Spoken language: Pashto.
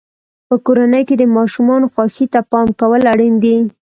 په کورنۍ کې د ماشومانو خوښۍ ته پام کول اړین دي.